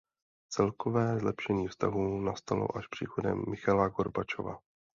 Celkové zlepšení vztahů nastalo až příchodem Michaila Gorbačova.